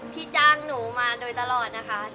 ที่จ้างหนูมาโดยตลอดนะคะ